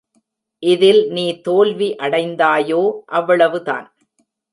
இதில் நீ தோல்வி அடைந்தாயோ, அவ்வளவுதான்!